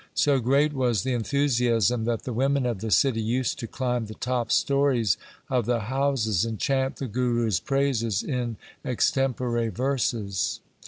So great was the enthusiasm that the women of the city used to climb the top stories of their houses and chant the Guru's praises in extempore verses.